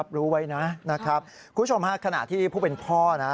คุณผู้ชมฮะขณะที่ผู้เป็นพ่อนะ